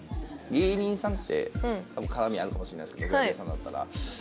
芸人さんって絡みあるかもしれないですけどグラビアさんだったら。